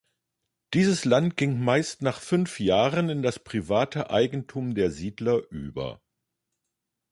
Dieses Land ging meist nach fünf Jahren in das private Eigentum der Siedler über.